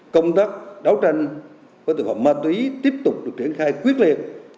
công tác đấu tranh với tội phạm ma túy tiếp tục được triển khai quyết liệt